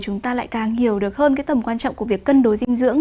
chúng ta lại càng hiểu được hơn cái tầm quan trọng của việc cân đối dinh dưỡng